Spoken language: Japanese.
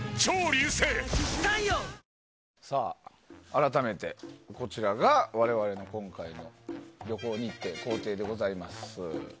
改めてこちらが我々の今回の旅行日程、行程でございます。